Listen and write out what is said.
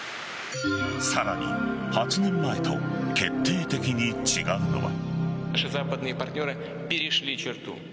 さらに８年前と決定的に違うのは。